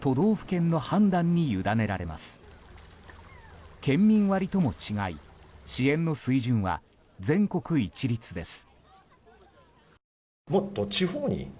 県民割とも違い支援の水準は、全国一律です。